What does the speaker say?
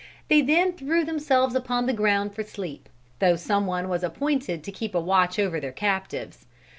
They then threw themselves upon the ground for sleep, though some one was appointed to keep a watch over their captives.